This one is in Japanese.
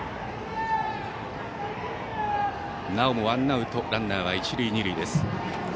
なおもワンアウトランナーは一塁二塁です。